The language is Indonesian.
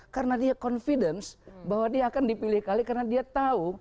karena dia confidence bahwa dia akan dipilih kali karena dia tahu